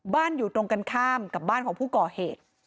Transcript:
อยู่ตรงกันข้ามกับบ้านของผู้ก่อเหตุ